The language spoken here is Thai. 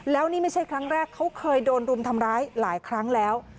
แล้วนี่ไม่ใช่ครั้งแรกเขาเคยโดนรุมทำร้ายหลายครั้งแล้ว